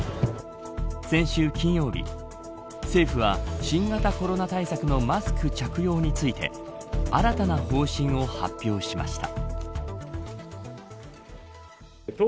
先週金曜日政府は、新型コロナ対策のマスク着用について新たな方針を発表しました。